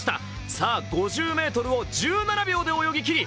さあ、５０ｍを１７秒で泳ぎ切り